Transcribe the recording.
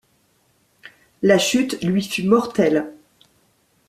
La chute lui fut mortelle.